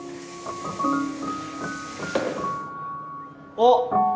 あっ！